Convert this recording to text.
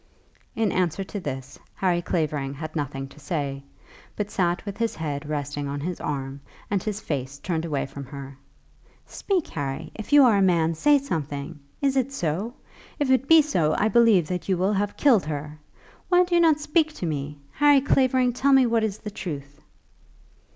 In answer to this Harry Clavering had nothing to say, but sat with his head resting on his arm and his face turned away from her. "Speak, Harry; if you are a man, say something. Is it so? If it be so, I believe that you will have killed her. Why do you not speak to me? Harry Clavering, tell me what is the truth."